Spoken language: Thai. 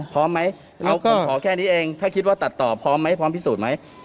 พร้อมไหมผมขอแค่นี้เองถ้าคิดว่าตัดต่อพร้อมไหมพร้อมพิสูจน์ไหม